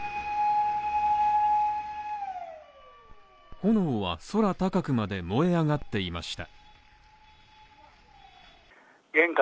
炎は、空高くまで燃え上がっていました。